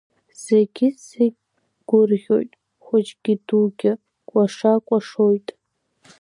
Зегьы-зегь гәырӷьоит, хәыҷгьы-дугьы кәаша-кәашоит.